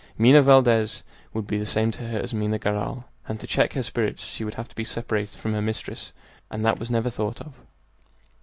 Minha Valdez would be the same to her as Minha Garral, and to check her spirits she would have to be separated from her mistress, and that was never thought of.